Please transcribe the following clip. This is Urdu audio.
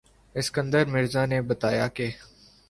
اسکندر مرزا نے بتایا کہ